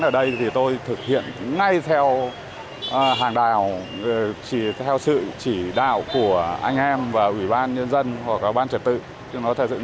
bán ở đây thì tôi thực hiện ngay theo hàng đào chỉ theo sự chỉ đạo của anh em và ủy ban nhân dân hoặc bán trật tự